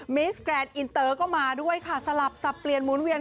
มิสแกรนดอินเตอร์ก็มาด้วยค่ะสลับสับเปลี่ยนหมุนเวียน